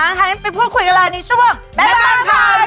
งั้นไปพูดคุยกันร้านนี้ช่วง